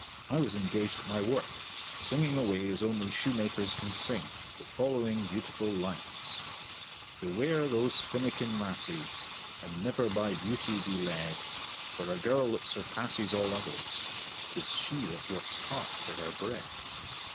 I was engaged at my work, singing away as only shoemakers can sing, the following beautiful lines: "Beware those finikin lasses, And never by beauty be led; For a girl that surpasses all others 'Tis she that works hard for her bread."